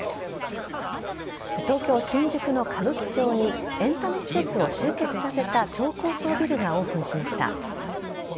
東京・新宿の歌舞伎町にエンタメ施設を集結させた超高層ビルがオープンしました。